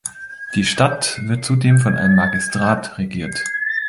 Die Stadt wird zudem von einem Magistrat regiert.